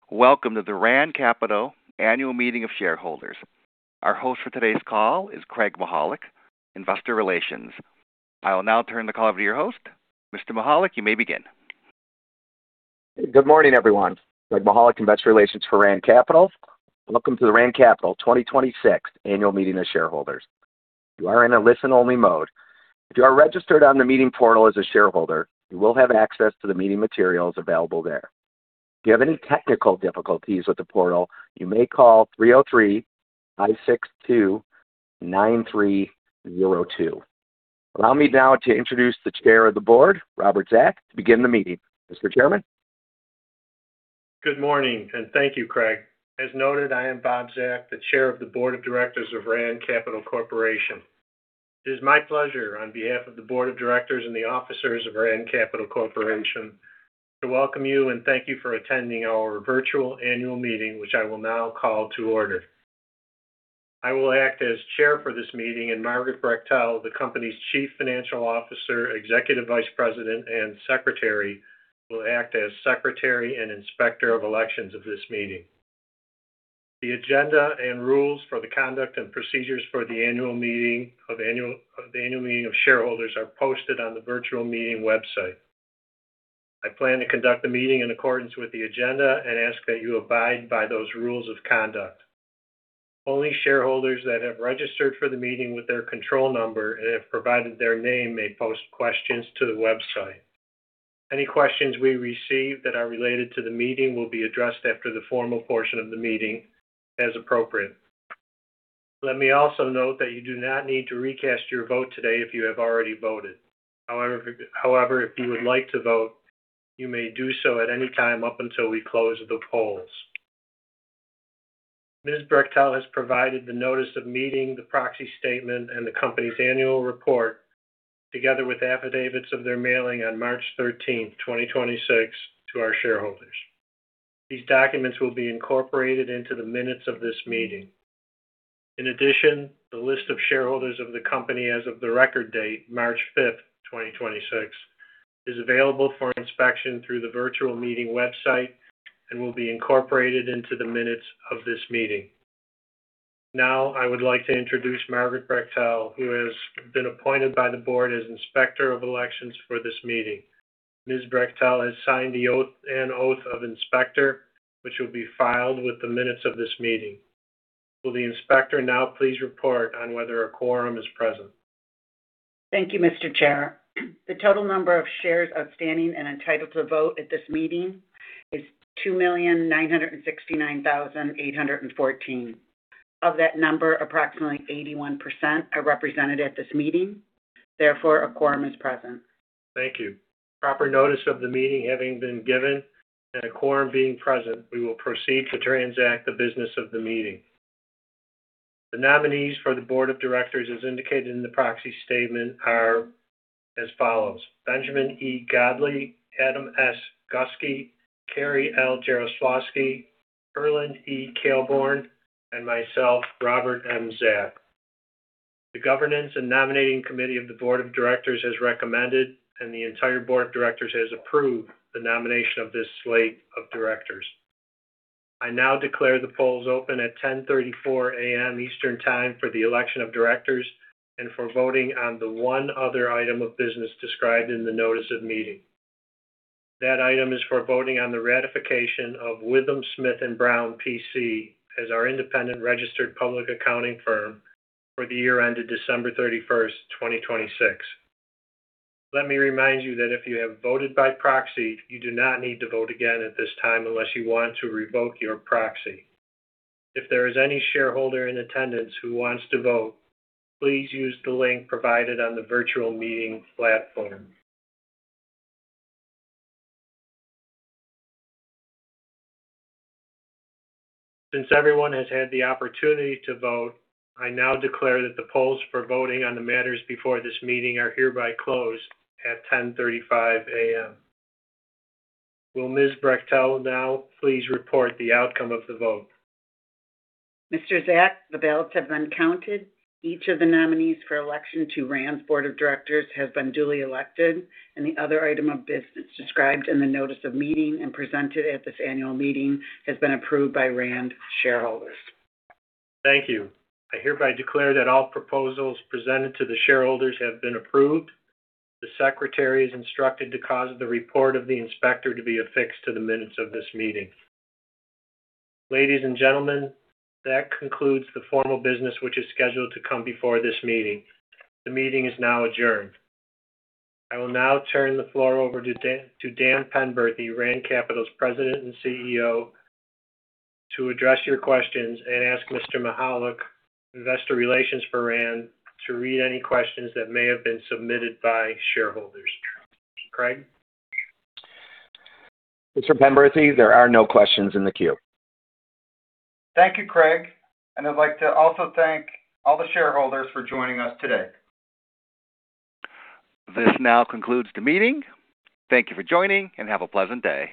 Welcome to the Rand Capital annual meeting of shareholders. Our host for today's call is Craig Mychajluk, Investor Relations. I will now turn the call over to your host. Mr. Mychajluk, you may begin. Good morning, everyone. Craig Mychajluk, Investor Relations for Rand Capital. Welcome to the Rand Capital 2026 annual meeting of shareholders. You are in a listen-only mode. If you are registered on the meeting portal as a shareholder, you will have access to the meeting materials available there. If you have any technical difficulties with the portal, you may call 303-562-9302. Allow me now to introduce the Chair of the Board, Robert M. Zak, to begin the meeting. Mr. Chairman? Good morning, and thank you, Craig. As noted, I am Bob Zak, the Chair of the Board of Directors of Rand Capital Corporation. It is my pleasure, on behalf of the Board of Directors and the officers of Rand Capital Corporation, to welcome you and thank you for attending our virtual annual meeting, which I will now call to order. I will act as Chair for this meeting, and Margaret Brechtel, the company's Chief Financial Officer, Executive Vice President, and Secretary, will act as secretary and inspector of elections of this meeting. The agenda and rules for the conduct and procedures for the annual meeting of shareholders are posted on the virtual meeting website. I plan to conduct the meeting in accordance with the agenda and ask that you abide by those rules of conduct. Only shareholders that have registered for the meeting with their control number and have provided their name may post questions to the website. Any questions we receive that are related to the meeting will be addressed after the formal portion of the meeting as appropriate. Let me also note that you do not need to recast your vote today if you have already voted. However, if you would like to vote, you may do so at any time up until we close the polls. Ms. Brechtel has provided the notice of meeting, the proxy statement, and the company's annual report, together with affidavits of their mailing on March 13th, 2026, to our shareholders. These documents will be incorporated into the minutes of this meeting. In addition, the list of shareholders of the company as of the record date, March 5th, 2026, is available for inspection through the virtual meeting website and will be incorporated into the minutes of this meeting. Now, I would like to introduce Margaret Brechtel, who has been appointed by the board as Inspector of Elections for this meeting. Ms. Brechtel has signed an oath of Inspector, which will be filed with the minutes of this meeting. Will the Inspector now please report on whether a quorum is present? Thank you, Mr. Chair. The total number of shares outstanding and entitled to vote at this meeting is 2,969,814. Of that number, approximately 81% are represented at this meeting. Therefore, a quorum is present. Thank you. Proper notice of the meeting having been given and a quorum being present, we will proceed to transact the business of the meeting. The nominees for the board of directors as indicated in the proxy statement are as follows, Benjamin E. Godley, Adam S. Gusky, Cari L. Jaroslawsky, Erland E. Kailbourne, and myself, Robert M. Zak. The governance and nominating committee of the board of directors has recommended, and the entire board of directors has approved the nomination of this slate of directors. I now declare the polls open at 10:34 A.M. Eastern Time for the election of directors and for voting on the one other item of business described in the notice of meeting. That item is for voting on the ratification of WithumSmith+Brown, PC as our independent registered public accounting firm for the year ended December 31st, 2026. Let me remind you that if you have voted by proxy, you do not need to vote again at this time unless you want to revoke your proxy. If there is any shareholder in attendance who wants to vote, please use the link provided on the virtual meeting platform. Since everyone has had the opportunity to vote, I now declare that the polls for voting on the matters before this meeting are hereby closed at 10:35 A.M. Will Ms. Brechtel now please report the outcome of the vote? Mr. Zak, the ballots have been counted. Each of the nominees for election to Rand's board of directors has been duly elected. The other item of business described in the notice of meeting and presented at this annual meeting has been approved by Rand shareholders. Thank you. I hereby declare that all proposals presented to the shareholders have been approved. The secretary is instructed to cause the report of the inspector to be affixed to the minutes of this meeting. Ladies and gentlemen, that concludes the formal business which is scheduled to come before this meeting. The meeting is now adjourned. I will now turn the floor over to Dan Penberthy, Rand Capital's President and CEO, to address your questions and ask Mr. Mychajluk, Investor Relations for Rand, to read any questions that may have been submitted by shareholders. Craig? Mr. Penberthy, there are no questions in the queue. Thank you, Craig. I'd like to also thank all the shareholders for joining us today. This now concludes the meeting. Thank you for joining, and have a pleasant day.